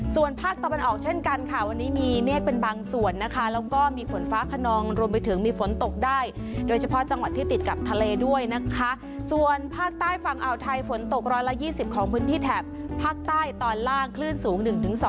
ส่วนภาคตะวันออกเช่นกันค่ะวันนี้มีเมฆเป็นบางส่วนนะคะแล้วก็มีฝนฟ้าขนองรวมไปถึงมีฝนตกได้โดยเฉพาะจังหวัดที่ติดกับทะเลด้วยนะคะส่วนภาคใต้ฝั่งอ่าวไทยฝนตกร้อยละ๒๐ของพื้นที่แถบภาคใต้ตอนล่างคลื่นสูง๑๒